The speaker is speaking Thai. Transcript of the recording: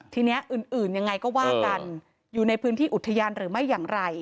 ทีนี้อื่นยังไงก็ว่ากันอยู่ในพื้นที่อุทยานหรือไม่อย่างไร